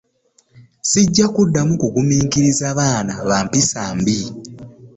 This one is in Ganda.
Sijja kuddamu kugumikiriza baana bampisa mbi.